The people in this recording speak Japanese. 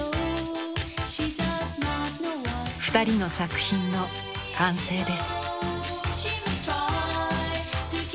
２人の作品の完成です。